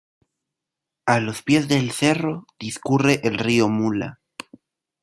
A los pies del cerro discurre el río Mula.